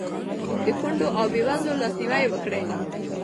د کونډو او بېوزلو لاسنیوی وکړئ.